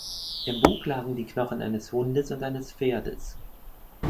Im Bug lagen die Knochen eines Hundes und eines Pferdes.